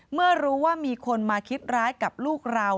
เมื่อรู้ว่ามีคนมาคิดร้ายกับลูกเรา